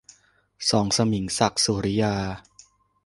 สองสมิง - ศักดิ์ สุริยา